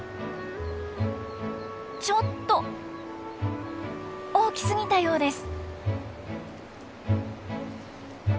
ちょっと大きすぎたようです。